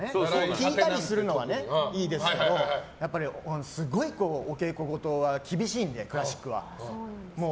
聴いたりするのはいいですけどすごいお稽古事は厳しいのでクラシックは。